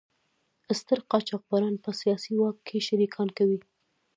ستر قاچاقبران په سیاسي واک کې شریکان کوي.